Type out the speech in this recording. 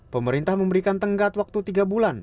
pemerintah memberikan tenggat waktu tiga bulan